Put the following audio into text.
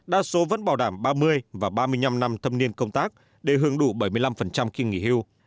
đa số vẫn bảo đảm ba mươi và ba mươi năm năm thâm niên công tác để hưởng đủ bảy mươi năm khi nghỉ hưu